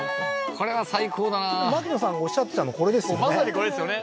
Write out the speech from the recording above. これは最高だな槙野さんがおっしゃってたのこれですよねもうまさにこれですよね